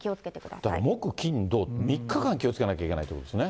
だから木、金、土と３日間、気をつけなきゃいけないということですね。